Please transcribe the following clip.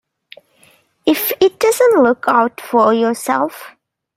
If it doesn't look out for yourself.